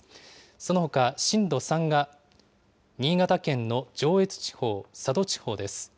そのほか震度３が新潟県の上越地方、佐渡地方です。